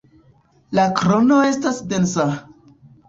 La krono estas densa.